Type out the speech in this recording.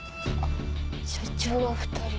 社長が２人。